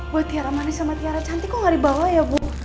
buat tiara manis sama tiara cantik kok gak dibawa ya bu